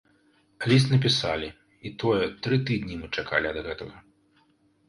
Ліст напісалі, і тое, тры тыдні мы чакалі ад гэтага.